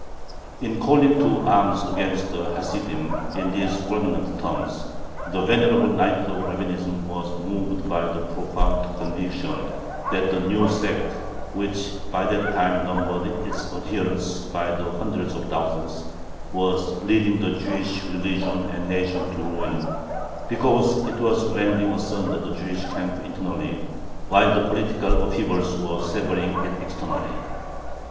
In calling to arms against the Hasidim in these fulminant terms, the venerable knight of Rabbinism was moved by the profound conviction that the "new sect," which by that time numbered its adherents by the hundreds of thousands, was leading the Jewish religion and nation to ruin, because it was rending asunder the Jewish camp internally while the political upheavals were severing it externally.